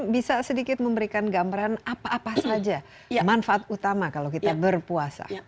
bisa sedikit memberikan gambaran apa apa saja manfaat utama kalau kita berpuasa